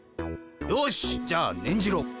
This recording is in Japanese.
よしじゃあねんじろ。